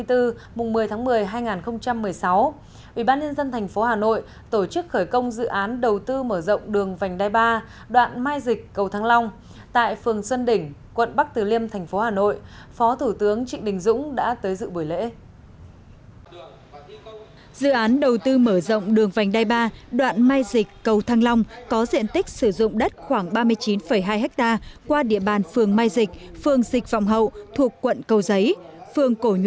ubnd tp hà nội tổ chức khởi công dự án đầu tư mở rộng đường vành đai ba đoạn mai dịch cầu thăng long